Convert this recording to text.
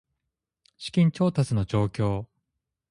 資金調達の状況